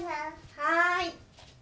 はい。